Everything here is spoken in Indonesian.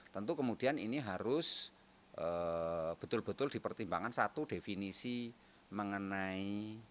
tentu kemudian ini harus betul betul dipertimbangkan satu definisi mengenai